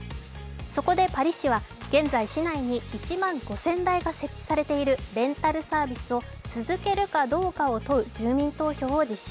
そこでパリ市は現在、市内に１万５０００台が設置されているレンタルサービスを続けるかどうかを問う住民投票を実施。